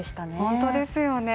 本当ですよね。